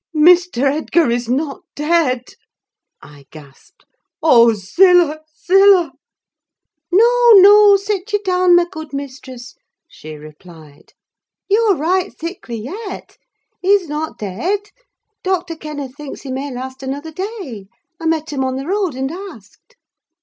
'" "Mr. Edgar is not dead?" I gasped. "Oh! Zillah, Zillah!" "No, no; sit you down, my good mistress," she replied; "you're right sickly yet. He's not dead; Doctor Kenneth thinks he may last another day. I met him on the road and asked."